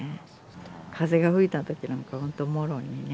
風が吹いたときなんか、本当もろにね。